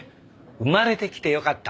「生まれてきて良かった」